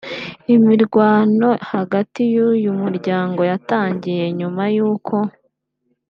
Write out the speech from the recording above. Imirwano hagati y’uyu muryango yatangiye nyuma y’uko